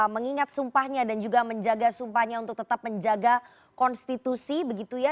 mengingat sumpahnya dan juga menjaga sumpahnya untuk tetap menjaga konstitusi begitu ya